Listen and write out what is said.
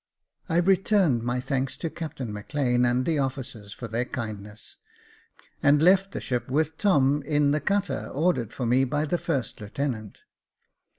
I returned my thanks to Captain Maclean and the officers for their kindness, and left the ship with Tom in the cutter, ordered for me by the first lieutenant.